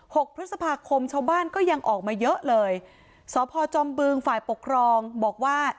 หกพฤษภาคมชาวบ้านก็ยังออกมาเยอะเลยสพจอมบึงฝ่ายปกครองบอกว่า